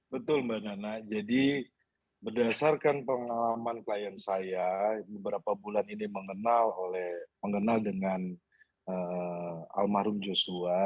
betul mbak nana jadi berdasarkan pengalaman klien saya beberapa bulan ini mengenal dengan almarhum joshua